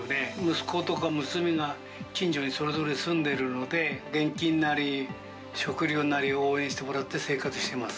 息子とか娘が近所にそれぞれ住んでるので、現金なり、食料なり、応援してもらって、生活してます。